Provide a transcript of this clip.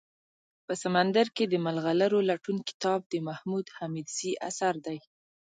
په سمندر کي دملغلرولټون کتاب دمحمودحميدزي اثر دئ